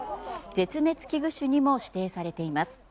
絶滅危惧種にも指定されています。